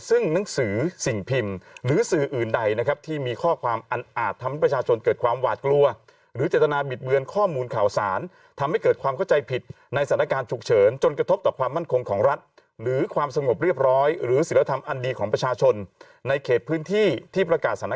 ซึ่งหนังสือสิ่งพิมพ์หรือสื่ออื่นใดนะครับที่มีข้อความอันอาจทำให้ประชาชนเกิดความหวาดกลัวหรือเจตนาบิดเบือนข้อมูลข่าวสารทำให้เกิดความเข้าใจผิดในสถานการณ์ฉุกเฉินจนกระทบต่อความมั่นคงของรัฐหรือความสงบเรียบร้อยหรือศิลธรรมอันดีของประชาชนในเขตพื้นที่ที่ประกาศสถานะ